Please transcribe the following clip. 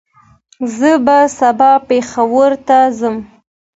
زه به سبا پېښور ته ځم